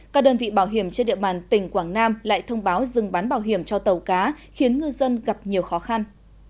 các đơn vị bảo hiểm trên địa bàn tỉnh quảng nam lại thông báo dừng bán bảo hiểm cho tàu cá khiến ngư dân gặp nhiều khó khăn